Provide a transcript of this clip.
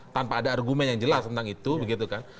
tanpa ada argumen yang jelas tentang itu begitu kan